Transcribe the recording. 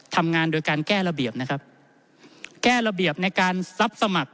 ทำงานโดยการแก้ระเบียบนะครับแก้ระเบียบในการรับสมัคร